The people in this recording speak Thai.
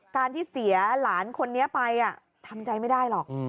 การที่เสียหลานคนนี้ไปทำใจไม่ได้หรอก